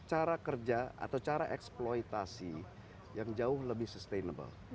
cara kerja atau cara eksploitasi yang jauh lebih sustainable